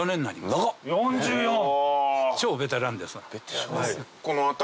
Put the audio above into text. ４４！超ベテランですわ。